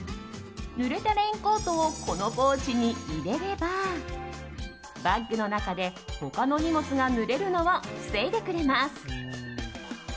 ぬれたレインコートをこのポーチに入れればバッグの中で他の荷物がぬれるのを防いでくれます。